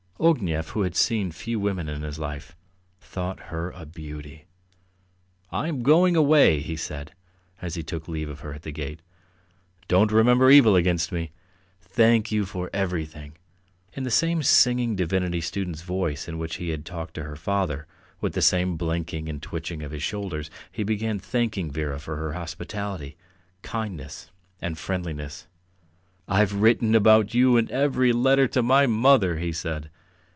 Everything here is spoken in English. Ognev, who had seen few women in his life, thought her a beauty. "I am going away," he said as he took leave of her at the gate. "Don't remember evil against me! Thank you for everything!" In the same singing divinity student's voice in which he had talked to her father, with the same blinking and twitching of his shoulders, he began thanking Vera for her hospitality, kindness, and friendliness. "I've written about you in every letter to my mother," he said.